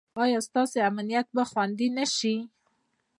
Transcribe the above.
ایا ستاسو امنیت به خوندي نه شي؟